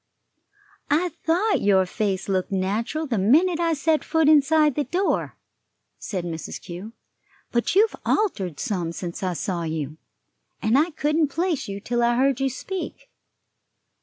"I thought your face looked natural the minute I set foot inside the door," said Mrs. Kew; "but you've altered some since I saw you, and I couldn't place you till I heard you speak.